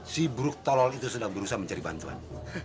si buruk tolol itu sudah berusaha mencari bantuan